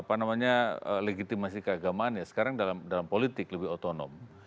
apa namanya legitimasi keagamaan ya sekarang dalam politik lebih otonom